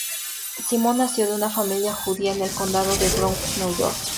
Simon nació de una familia judía en el condado de Bronx, Nueva York.